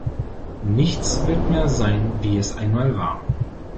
Nichts wird mehr sein, wie es einmal war.